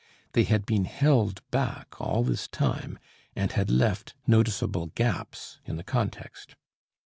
They had been held back all this time, and had left noticeable gaps in the context.